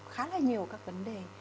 khá là nhiều các vấn đề